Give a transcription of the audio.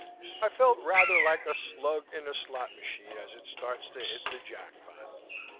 I felt rather like a slug in a slot machine as it starts to hit the jack pot.